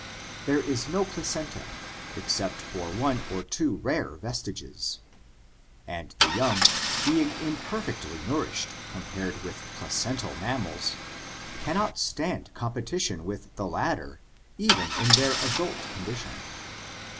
There is no placenta, except for one or two rare vestiges (Phascolarctos, Pera meles), and the young, being imperfectly nourished compared with placental mammals, cannot stand competition with the latter even in their adult condition.